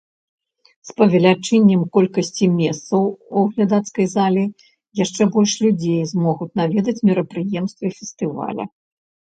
З павелічэннем колькасці месцаў у глядацкай зале яшчэ больш людзей змогуць наведаць мерапрыемствы фестываля.